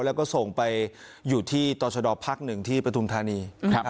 แล้วก็ส่งไปอยู่ที่ตรชดอบพักหนึ่งที่ปทุมธานี